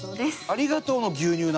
ありがとうの牛乳なんだ。